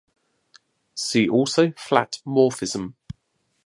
See also flat morphism.